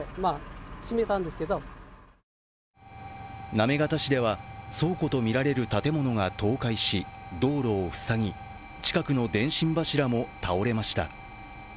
行方市では、倉庫とみられる建物が倒壊し道路を塞ぎ近くの電信柱も倒れました。